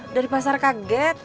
dari pasar kaget